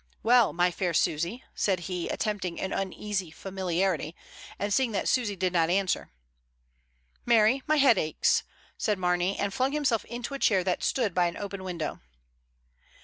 "Well, my fair Susy," said he, attempting an uneasy familiarity, and, seeing that Susy did not answer, "Mary, my head aches," said Marney, and flung himself into a chair that stood by an open window.